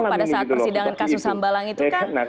pada saat persidangan kasus sambalang itu kan